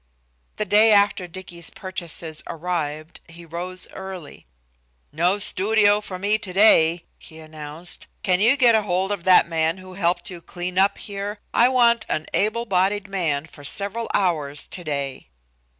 The day after Dicky's purchases arrived he rose early. "No studio for me today," he announced. "Can you get hold of that man who helped you clean up here? I want an able bodied man for several hours today."